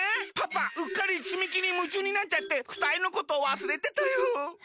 パパうっかり積み木にむちゅうになっちゃってふたりのことわすれてたよ。